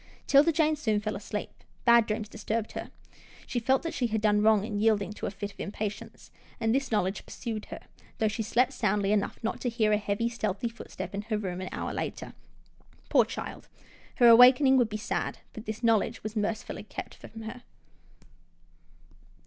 'Tilda Jane soon fell asleep. Bad dreams dis turbed her. She felt that she had done wrong in yielding to a fit of impatience, and this knowledge pursued her, though she slept soundly enough not to hear a heavy, stealthy footstep in her room an hour later. Poor child — her awakening would be sad, but this knowledge was mercifully kept from her.